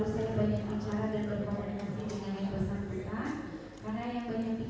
sampai akhirnya saudara itu tertanggung